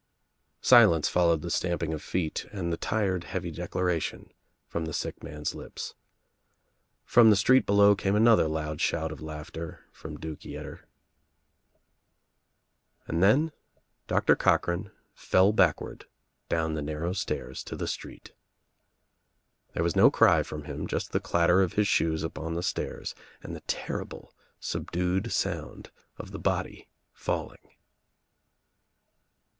Silence followed the stamping of feet and the tired heavy declaration from the sick man^s lips. From the street below came another loud shout of laughter from Duke Tetter. And then Doctor Cochran fell backward down the narrow stairs to the street. There was no cry from him, just the clatter of his shoes upon the stairs and the terrible subdued sound of the body falling.